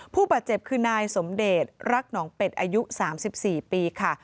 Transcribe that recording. ผู้บาดเจ็บคือนายสมเดชรักหนองเป็ดอายุ๓๔ปีค่ะ